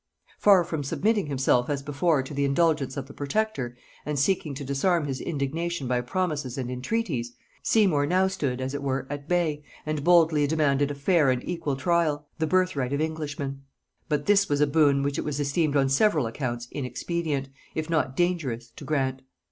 Far from submitting himself as before to the indulgence of the protector, and seeking to disarm his indignation by promises and entreaties, Seymour now stood, as it were, at bay, and boldly demanded a fair and equal trial, the birthright of Englishmen. But this was a boon which it was esteemed on several accounts inexpedient, if not dangerous, to grant.